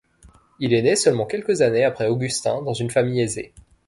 Il est né seulement quelques années après Augustin dans une famille aisée.